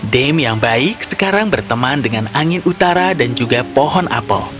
dame yang baik sekarang berteman dengan angin utara dan juga pohon apel